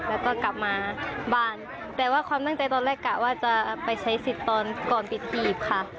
แล้วก็กลับมาบ้านแต่ว่าความตั้งใจตอนแรกกะว่าจะไปใช้สิทธิ์ตอนก่อนปิดหีบค่ะ